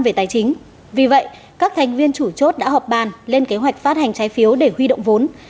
về tài chính vì vậy các thành viên chủ chốt đã họp bàn lên kế hoạch phát hành trái phiếu để huy động vốn